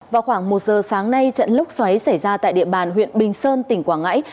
vào khoảng một giờ sáng nay trận lốc xoáy xảy ra tại địa bàn huyện bình sơn tỉnh quảng ngãi